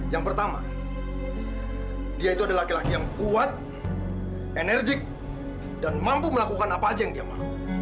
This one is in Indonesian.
yang pertama dia itu adalah laki laki yang kuat enerjik dan mampu melakukan apa saja yang dia mau